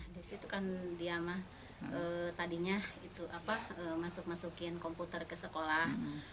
di sekolah kan dia masukin komputer ke sekolah